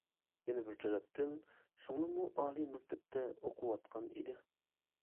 يەنە بىر تەرەپتىن، سىڭلىممۇ ئالىي مەكتەپتە ئوقۇۋاتقان ئىدى.